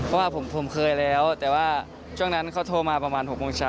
เพราะว่าผมเคยแล้วแต่ว่าช่วงนั้นเขาโทรมาประมาณ๖โมงเช้า